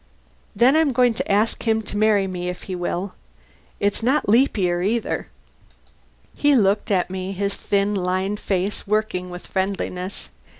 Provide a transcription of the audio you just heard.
Then I'm going to ask him to marry me if he will. It's not leap year, either." He looked at me, his thin, lined face working with friendliness.